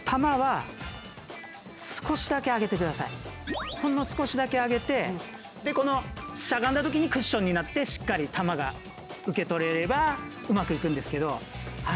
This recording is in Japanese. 我々はほんの少しだけ上げてでこのしゃがんだときにクッションになってしっかり玉が受け取れればうまくいくんですけど。